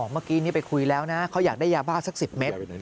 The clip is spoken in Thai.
เมื่อกี้นี้ไปคุยแล้วนะเขาอยากได้ยาบ้าสัก๑๐เมตร